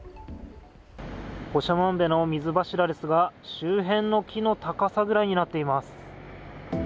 長万部の水柱ですが、周辺の木の高さぐらいになっています。